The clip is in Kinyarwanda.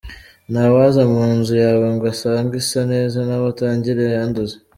Nta waza mu nzu yawe ngo asange isa neza nawe atangire ayanduze.